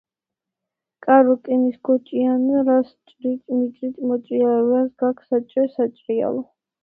კარო რკინის გოჭიანო რას ჭრიჭ მიჭრიჭ მოჭრიალობ რა გაქვს საჭრეჭ საჭრიალო?